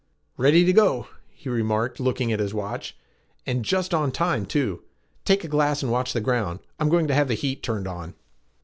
"Ready to go," he remarked looking at his watch, "and just on time, too. Take a glass and watch the ground. I am going to have the heat turned on."